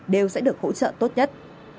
đều sẽ được hỗ trợ tốt nhất